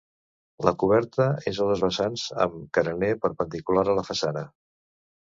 La coberta és a dos vessants amb carener perpendicular a la façana.